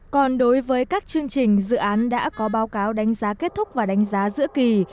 còn đối với các chương trình dự án đã có báo cáo đánh giá kết thúc và đánh giá giữa kỳ